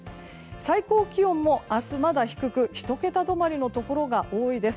最高気温も明日、まだ低く１桁止まりのところが多いです。